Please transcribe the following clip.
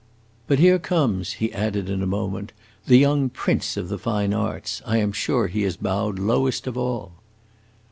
But here comes," he added in a moment, "the young Prince of the Fine Arts. I am sure he has bowed lowest of all."